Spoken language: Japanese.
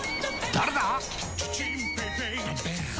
誰だ！